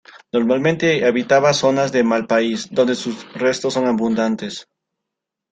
Normalmente habitaba zonas de malpaís, donde sus restos son abundantes.